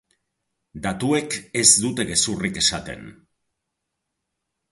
Datuek ez dute gezurrik esaten.